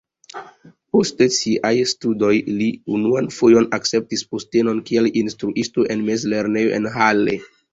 Post siaj studoj li unuan fojon akceptis postenon kiel instruisto en mezlernejo en Halle.